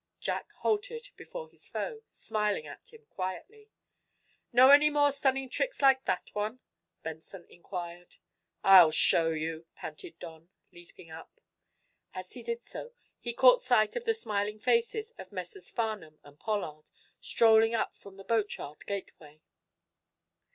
Jack halted before his foe, smiling at him quietly. "Know any more stunning tricks like that one?" Benson inquired. "I'll show you!" panted Don, leaping up. As he did so, he caught sight of the smiling faces of Messrs. Farnum and Pollard, strolling up from the boatyard gateway.